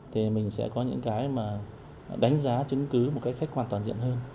thì mình sẽ có những cái mà đánh giá chứng cứ một cách khách quan toàn diện hơn